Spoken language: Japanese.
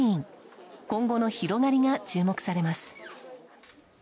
今後の広がりが注目されます。